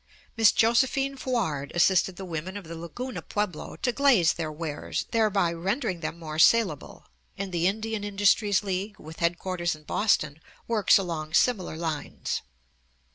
Miss Josephine Foard assisted the women of the Laguna pueblo to glaze their wares, thereby rendering them more salable; and the Indian Industries League, with headquarters in Boston, works along similar lines.